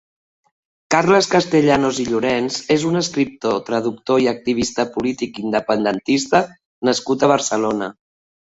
Carles Castellanos i Llorenç és un escriptor, traductor i activista polític independentista nascut a Barcelona.